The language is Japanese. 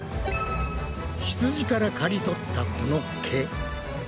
ひつじからかり取ったこの毛。